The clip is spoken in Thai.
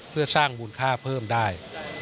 เพื่อสร้างมูลค่าเพิ่มได้